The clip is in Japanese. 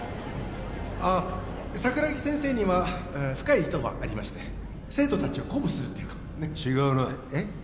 あっ桜木先生には深い意図がありまして生徒達を鼓舞するっていうかねっ違うなえっ？